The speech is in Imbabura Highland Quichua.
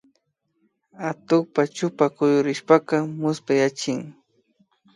Atukpa chupa kuyurishpaka muspayachin